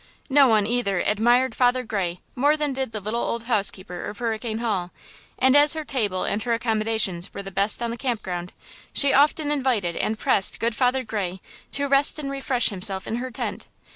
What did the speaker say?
No one, either, admired Father Gray more than did the little old housekeeper of Hurricane Hall, and as her table and her accommodations were the best on the camp ground, she often invited and pressed good Father Gray to rest and refresh himself in her tent.